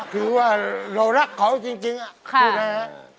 คือว่าเรารักเขาจริงคือไหมครับผมฉันรักคุณ